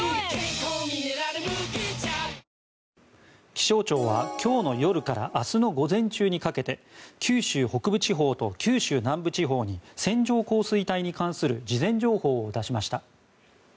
気象庁は今日の夜から明日の午前中にかけて九州北部地方と九州南部地方に線状降水帯に関する事前情報を出しました。